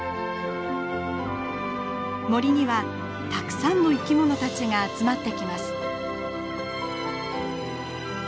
森にはたくさんの生き物たちが集まってきます。